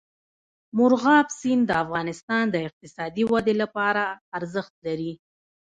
مورغاب سیند د افغانستان د اقتصادي ودې لپاره ارزښت لري.